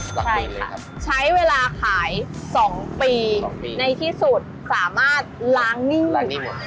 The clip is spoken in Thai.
ใช่ค่ะใช้เวลาขาย๒ปีในที่สุดสามารถล้างหนี้หมด